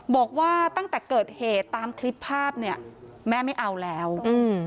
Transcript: บอกว่าตั้งแต่เกิดเหตุตามคลิปภาพเนี่ยแม่ไม่เอาแล้วอืม